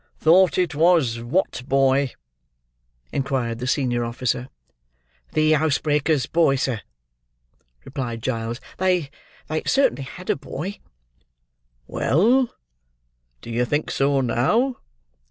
"Thought it was what boy?" inquired the senior officer. "The housebreaker's boy, sir!" replied Giles. "They—they certainly had a boy." "Well? Do you think so now?"